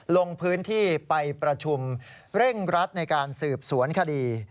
ลงพื้นที่ไปประชุมเร่งรัดในการสืบสวนคดี